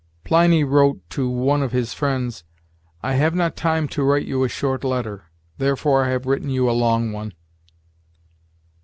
Pliny wrote to one of his friends, 'I have not time to write you a short letter, therefore I have written you a long one.'